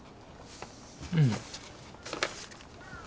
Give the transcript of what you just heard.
うん。